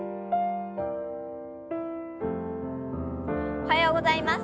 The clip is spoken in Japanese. おはようございます。